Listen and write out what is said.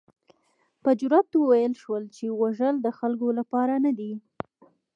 په جرات وویل شول چې وژل د خلکو لپاره نه دي.